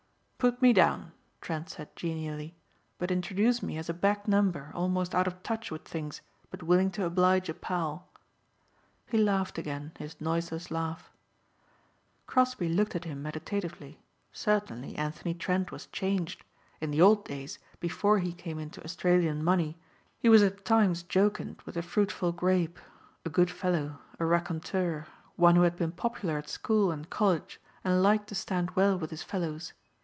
"Put me down," Trent said genially, "but introduce me as a back number almost out of touch with things but willing to oblige a pal." He laughed again his noiseless laugh. Crosbeigh looked at him meditatively. Certainly Anthony Trent was changed. In the old days, before he came into Australian money, he was at times jocund with the fruitful grape, a good fellow, a raconteur, one who had been popular at school and college and liked to stand well with his fellows.